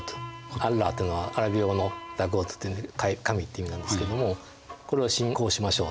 アッラーっていうのはアラビア語のＴｈｅＧｏｄという神って意味なんですけどもこれを信仰しましょう。